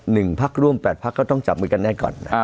พักร่วมแปดพักก็ต้องจับมือกันให้ก่อน